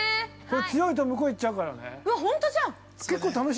強いと向こう、いっちゃうからね。